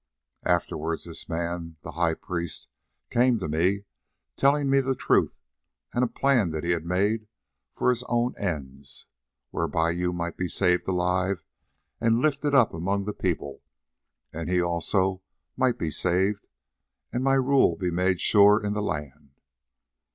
Afterwards this man, the high priest, came to me, telling me the truth and a plan that he had made for his own ends, whereby you might be saved alive and lifted up among the people, and he also might be saved, and my rule be made sure in the land."